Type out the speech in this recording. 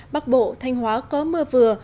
bắc bộ thanh hóa có mưa vừa